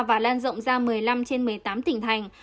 và lan rộng ra một mươi năm trên một mươi tám tỉnh thành